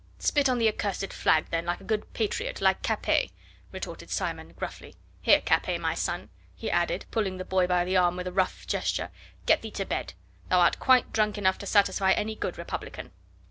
"Spit on their accursed flag, then, like a good patriot, like Capet," retorted Simon gruffly. "Here, Capet, my son," he added, pulling the boy by the arm with a rough gesture, "get thee to bed; thou art quite drunk enough to satisfy any good Republican."